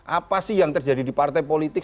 apa sih yang terjadi di partai politik